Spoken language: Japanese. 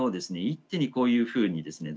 一手にこういうふうにですね